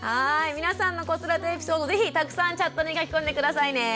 皆さんの子育てエピソード是非たくさんチャットに書き込んで下さいね。